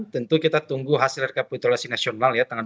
tentu kita tunggu hasil rekapitulasi nasional ya tanggal dua puluh